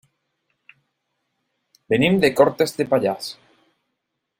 Venim de Cortes de Pallars.